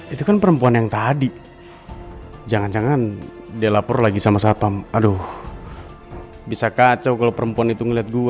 itu kan perempuan yang tadi jangan jangan dia lapor lagi sama satpam aduh bisa kacau kalau perempuan itu ngeliat gue